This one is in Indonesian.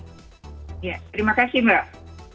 terima kasih mbak